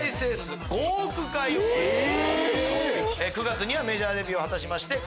９月にはメジャーデビューを果たしました。